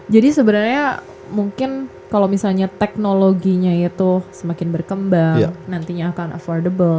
jadi sebenarnya mungkin kalau misalnya teknologinya itu semakin berkembang nantinya akan affordable